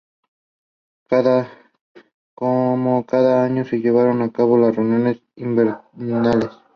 Como cada año se llevaron a cabo las reuniones invernales.